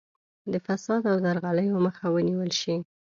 د فساد او درغلیو مخه ونیول شي.